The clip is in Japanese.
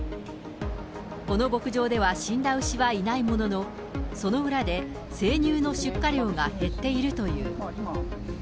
この牧場では死んだ牛はいないものの、その裏で、生乳の出荷量が減っているという。